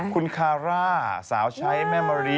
คุณคาร่าสาวใช้แม่มะรี